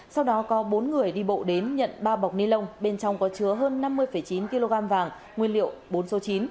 sau đó có bốn người đi bộ đến nhận ba bọc ni lông bên trong có chứa hơn năm mươi chín kg vàng nguyên liệu bốn số chín